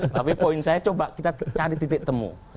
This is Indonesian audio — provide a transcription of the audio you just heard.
tapi poin saya coba kita cari titik temu